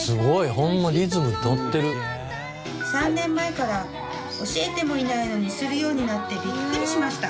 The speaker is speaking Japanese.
ホンマ３年前から教えてもいないのにするようになってビックリしました。